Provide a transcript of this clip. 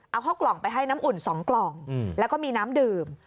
เอาเข้ากล่องไปให้น้ำอุ่น๒กล่องแล้วก็มีน้ำดื่ม